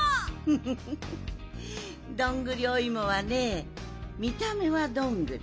フフフどんぐりおいもはねみためはどんぐり。